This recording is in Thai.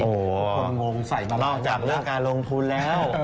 โอ้โหคนงงใส่มานอกจากเรื่องการลงทุนแล้ว